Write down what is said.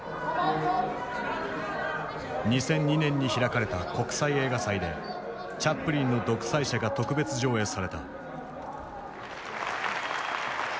２００２年に開かれた国際映画祭でチャップリンの「独裁者」が特別上映された。